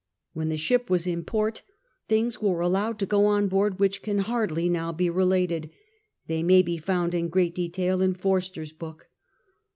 When the ship was in port^ things were allowed to go on aboard which can hardly now bo related — they may bo found in great detail in Forster's book.